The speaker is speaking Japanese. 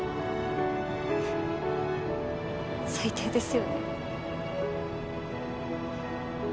最低ですよね。